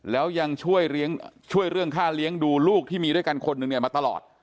แล้วยังช่วยเรื่องค่าเลี้ยงดูลูกที่มีด้วยกันคนหนึ่งเนี่ยมาตลอด